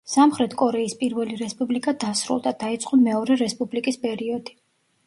სამხრეთ კორეის პირველი რესპუბლიკა დასრულდა, დაიწყო მეორე რესპუბლიკის პერიოდი.